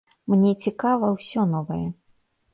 Мне цікава ўсё новае.